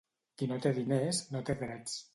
Qui no té diners, no té drets.